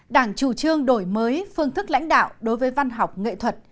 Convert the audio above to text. đảng chủ trương đổi mới phương thức lãnh đạo đối với văn học nghệ thuật